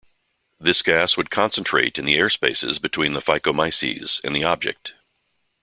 This gas would concentrate in the airspace between the "Phycomyces" and the object.